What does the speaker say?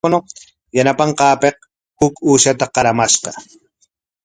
Yanapanqaapik huk uushata qaramashqa.